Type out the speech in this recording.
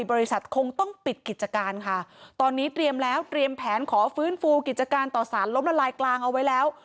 คงต้องปิดกิจการค่ะตอนนี้เตรียมแล้วเตรียมแผนขอฟื้นฟูกิจการต่อสารล้มละลายกลางเอาไว้แล้ว